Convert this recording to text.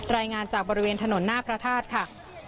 รายงานจากบริเวณถนนหน้าพระธาตุค่ะ